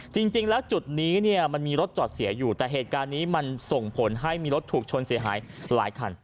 จริงแล้วจุดนี้เนี่ยมันมีรถจอดเสียอยู่แต่เหตุการณ์นี้มันส่งผลให้มีรถถูกชนเสียหายหลายคัน